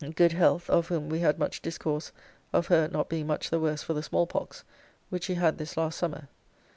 ] good health, of whom we had much discourse of her not being much the worse for the small pox, which she had this last summer.